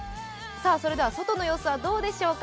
それでは外の様子はどうでしょうか。